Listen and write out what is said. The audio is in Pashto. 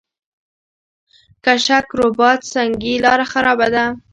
کشک رباط سنګي لاره خرابه ده؟